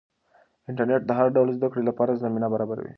انټرنیټ د هر ډول زده کړې لپاره زمینه برابروي.